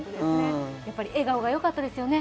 やっぱり笑顔がよかったですよね。